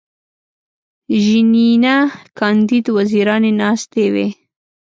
ژینینه کاندید وزیرانې ناستې وې.